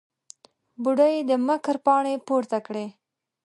بوډۍ د مکر پاڼې پورته کړې.